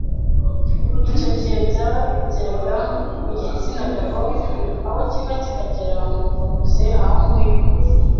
icyo gihe byageraga ku gitsina gabo aho kiva kikagera nkumva mbuze aho nkwirwa ,